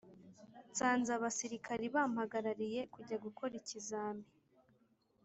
Nsanze abasirikari bampagarariye kujya gukora ikizami